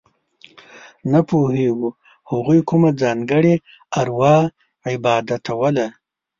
نه پوهېږو هغوی کومه ځانګړې اروا عبادتوله.